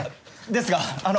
ですがあの。